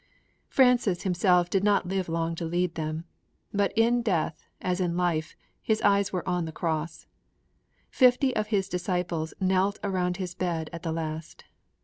Francis himself did not live long to lead them; but in death as in life his eyes were on the Cross. Fifty of his disciples knelt around his bed at the last.